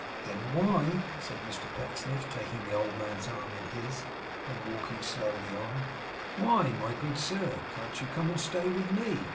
'Then why,' said Mr Pecksniff, taking the old man's arm in his, and walking slowly on; 'Why, my good sir, can't you come and stay with me?